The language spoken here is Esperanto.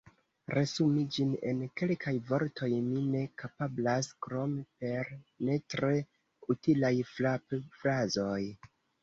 Resumi ĝin en kelkaj vortoj mi ne kapablas, krom per ne tre utilaj frapfrazoj.